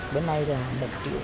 bữa nay là một triệu tám